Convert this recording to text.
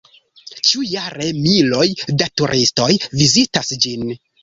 Ĉiujare miloj da turistoj vizitas ĝin.